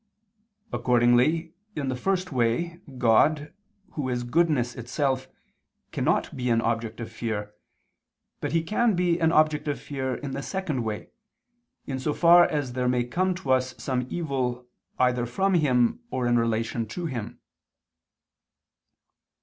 Accordingly, in the first way God, Who is goodness itself, cannot be an object of fear; but He can be an object of fear in the second way, in so far as there may come to us some evil either from Him or in relation to Him.